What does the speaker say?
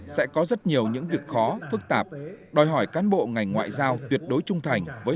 sẽ có rất nhiều những việc khó phức tạp đòi hỏi cán bộ ngành ngoại giao tuyệt đối trung thành với